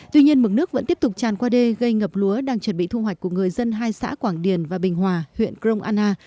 tuy nhiên mực nước vẫn tiếp tục tràn qua đê gây ngập lúa đang chuẩn bị thu hoạch của người dân hai xã quảng điền và bình hòa huyện crong anna